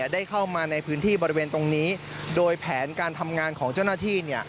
ได้เข้ามาในพื้นที่บริเวณตรงนี้โดยแผนการทำงานของเจ้าหน้าที่